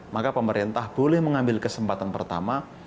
maka pemerintah boleh mengambil kesempatan pertama